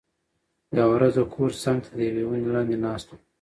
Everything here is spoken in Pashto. یوه ورځ د کور څنګ ته د یوې ونې لاندې ناست و،